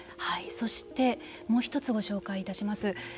そして、もう一つご紹介いたします。